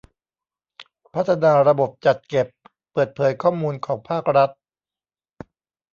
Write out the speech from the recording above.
พัฒนาระบบจัดเก็บเปิดเผยข้อมูลของภาครัฐ